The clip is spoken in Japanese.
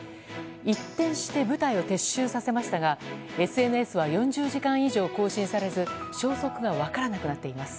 一転して部隊を撤収させましたがＳＮＳは４０時間以上更新されず消息が分からなくなっています。